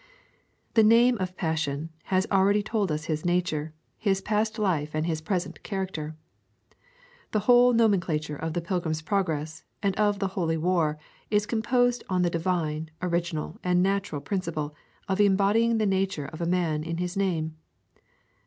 The name of Passion has already told us his nature, his past life, and his present character. The whole nomenclature of The Pilgrim's Progress and of The Holy War is composed on the divine, original, and natural principle of embodying the nature of a man in his name.